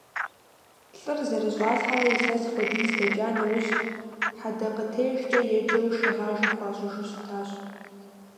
ЛӀыр зэрыщӀалъхьэрэ илъэс хуэдиз дэкӀа нэужь, хьэдэкъытежкӀэ еджэу шыгъажэ хуащӀыжу щытащ.